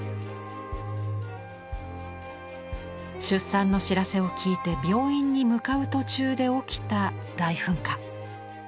出産の知らせを聞いて病院に向かう途中で起きた大噴火。